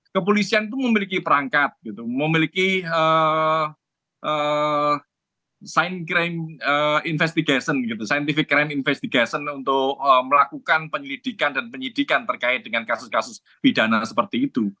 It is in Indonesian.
kepolisian itu memiliki perangkat gitu memiliki sciencrime investigation gitu scientific crime investigation untuk melakukan penyelidikan dan penyidikan terkait dengan kasus kasus pidana seperti itu